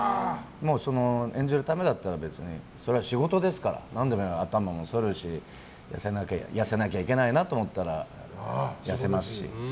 演じるためだったら別にそれは仕事ですから頭もそるし痩せなきゃいけないなと思ったら痩せますし。